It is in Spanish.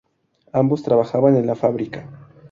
Ambos trabajaban en la fábrica.